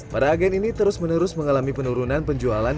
para agen ini terus menerus mengalami penurunan penjualan